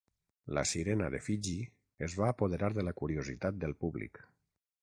La sirena de Fiji es va apoderar de la curiositat del públic.